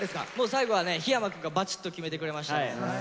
最後はね檜山君がバチッと決めてくれました。